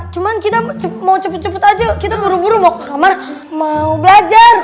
cuma kita mau cepet cepet aja kita buru buru mau ke kamar mau belajar